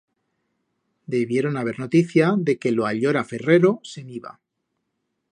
Debieron haber noticia de que lo allora ferrero se'n iba.